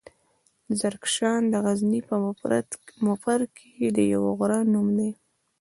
زرکشان دغزني پهمفر کې د يوۀ غرۀ نوم دی.